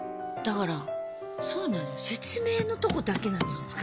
だからそうなのよ説明のとこだけなのよ。